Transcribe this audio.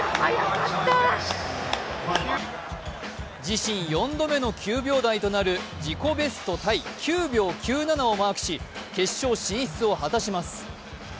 自身４度目の９秒台となる自己ベストタイ９秒９７をマークし決勝進出を果たします。